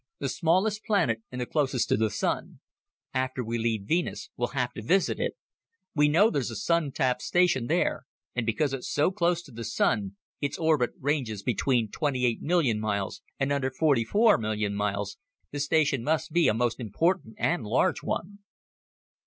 "The smallest planet and the closest to the Sun. After we leave Venus, we'll have to visit it. We know there's a Sun tap station there and because it's so close to the Sun its orbit ranges between twenty eight million miles and under forty four million miles the station must be a most important and large one."